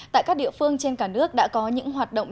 tại các địa phương trên cả nước đã có những hoạt động